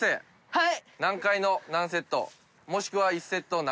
はい！